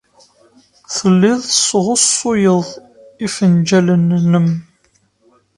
Telliḍ tesɣusuyeḍ ifenjalen-nnem.